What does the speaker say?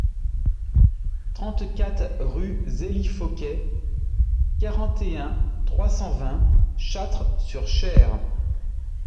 trente-quatre rue Zélie Fauquet, quarante et un, trois cent vingt, Châtres-sur-Cher